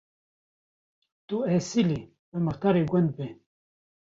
Tu esîlî, bi muxtarê gund be.